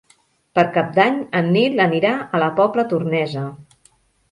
Per Cap d'Any en Nil anirà a la Pobla Tornesa.